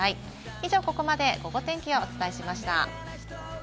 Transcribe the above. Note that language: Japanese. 以上、ここまでゴゴ天気をお伝えしました。